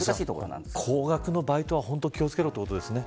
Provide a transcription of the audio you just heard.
高額のバイトには気を付けろということですね。